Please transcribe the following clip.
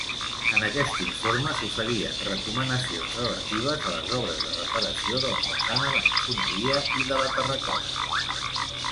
En aquest informe s'oferien recomanacions relatives a les obres de reparació de la façana de maçoneria i de la terracota.